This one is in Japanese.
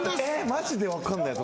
マジで分かんない。